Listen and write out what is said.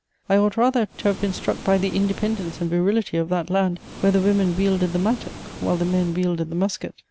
I ought rather to have been struck by the independence and virility of that land where the women wielded the mattock while the men wielded the musket.